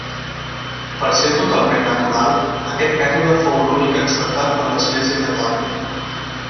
Per ser totalment natural, aquest mètode fou l'únic acceptat per l'Església Catòlica.